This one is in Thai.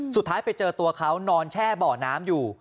สุดท้ายไปเจอตัวเขานอนแช่เบาะน้ำอยู่